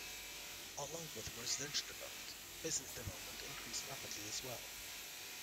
Along with residential development, business development increased rapidly as well.